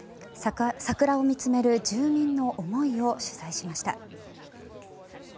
桜を見つめる住民の思いを取材しました。